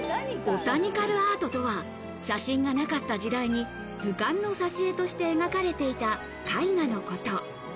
ボタニカルアートとは、写真がなかった時代に、図鑑の挿し絵として描かれていた絵画のこと。